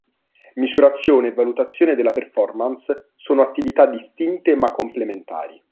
Misurazione e valutazione della performance sono attività distinte ma complementari